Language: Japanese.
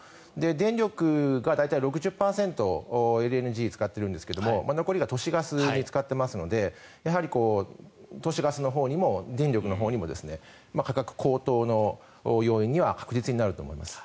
電力が大体６０％をＬＮＧを使っているんですが残りが都市ガスに使っていますので都市ガスのほうにも電力のほうにも価格高騰の要因には確実になると思います。